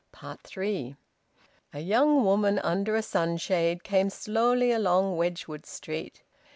THREE. A young woman under a sunshade came slowly along Wedgwood Street.